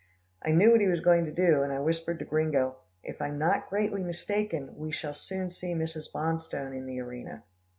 I knew what he was going to do, and I whispered to Gringo, "If I'm not greatly mistaken, we shall soon see Mrs. Bonstone in the arena."